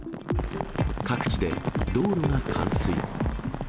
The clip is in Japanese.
各地で道路が冠水。